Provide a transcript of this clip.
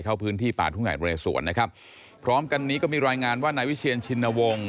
เข้าพื้นที่ป่าทุ่งใหญ่เรสวนนะครับพร้อมกันนี้ก็มีรายงานว่านายวิเชียนชินวงศ์